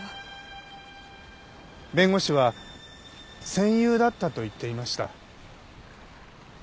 弁護士は戦友だったと言っていました。